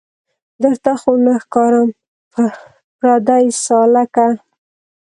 درته خو نه ښکارم پردۍ سالکه